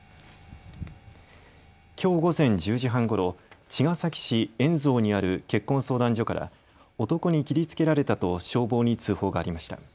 きょう午前１０時半ごろ、茅ヶ崎市円蔵にある結婚相談所から男に切りつけられたと消防に通報がありました。